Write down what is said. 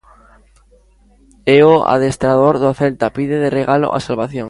E o adestrador do Celta pide de regalo a salvación.